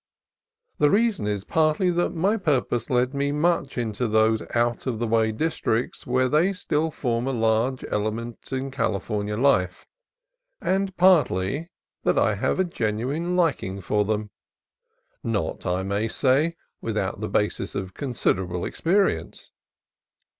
The reason is partly that my purposes led me much into those out of the way districts where they still form a large element in California life, and partly that I have a genuine liking for them, — not, I may say, without the basis of considerable experience.